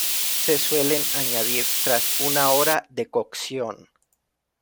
Se suelen añadir tras una hora de cocción.